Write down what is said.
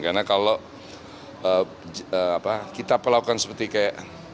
karena kalau kita perlakukan seperti kayak